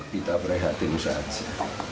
kita perhatikan saja